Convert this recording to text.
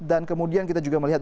dan kemudian kita juga melihat